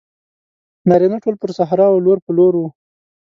نارینه ټول پر صحرا وو لور په لور وو.